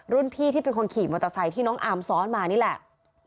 พี่ที่เป็นคนขี่มอเตอร์ไซค์ที่น้องอาร์มซ้อนมานี่แหละ